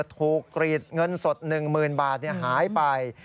ถูกกรีดเงินสดหนึ่งหมื่นบาทหายไป